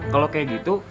kalau kayak gitu